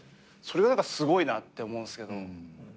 それがすごいなって思うんすけど。